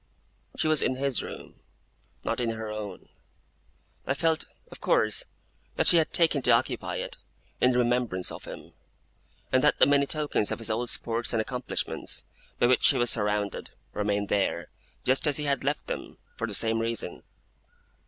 She was in his room; not in her own. I felt, of course, that she had taken to occupy it, in remembrance of him; and that the many tokens of his old sports and accomplishments, by which she was surrounded, remained there, just as he had left them, for the same reason.